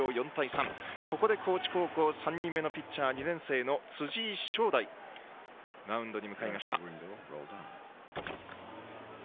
ここで高知高校３人目のピッチャー、２年生の辻井翔大マウンドに向かいました。